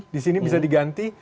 disini bisa diganti